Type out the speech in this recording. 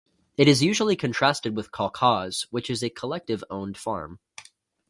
It is usually contrasted with kolkhoz, which is a collective-owned farm.